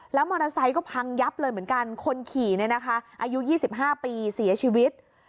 มอเตอร์ไซค์ก็พังยับเลยเหมือนกันคนขี่เนี่ยนะคะอายุ๒๕ปีเสียชีวิต